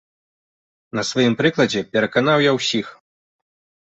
На сваім прыкладзе пераканаў я ўсіх.